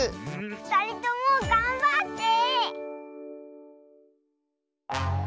ふたりともがんばって！